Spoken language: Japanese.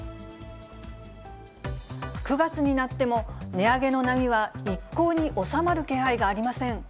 ９月になっても、値上げの波は一向に収まる気配がありません。